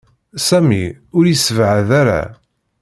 Sami ur yessebɛed ara.